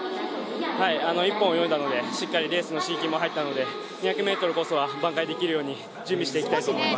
一本泳いだのでレースの刺激も入ったので２００ｍこそは挽回できるように準備していきたいと思います。